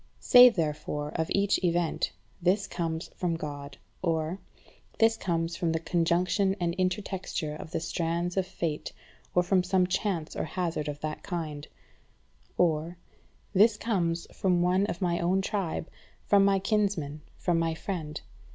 Say, therefore, of each event: "This comes from God:" or "This comes from the conjunction and intertexture of the strands of fate, or from some chance or hazard of that kind:" or "This comes from one of my own tribe, from my kinsman, from my friend.